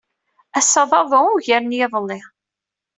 Ass-a d aḍu ugar n yiḍelli.